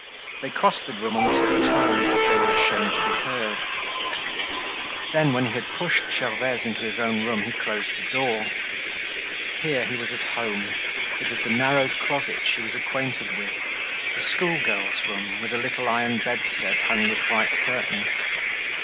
They crossed the room on tip toe, as if they were ashamed to be heard. Then when he had pushed Gervaise into his own room he closed the door. Here he was at home. It was the narrow closet she was acquainted with; a schoolgirl's room, with the little iron bedstead hung with white curtains.